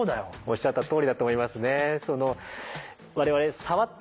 おっしゃったとおりだと思いますね。